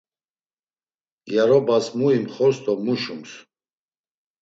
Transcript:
Gyarobas mu imxors do mu şums?